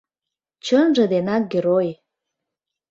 Чынже денак герой.